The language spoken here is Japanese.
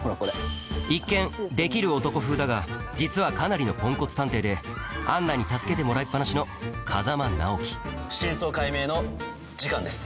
一見できる男風だが実はかなりのポンコツ探偵でアンナに助けてもらいっぱなしの真相解明の時間です。